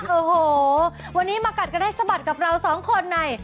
โอ้โหวันนี้มากัดกันให้สะบัดกับเราสองคนใน